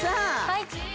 はい。